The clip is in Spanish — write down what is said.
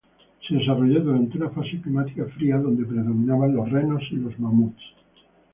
Se desarrolló durante una fase climática fría, donde predominaban los renos y los mamuts.